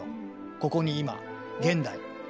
ここに今現代。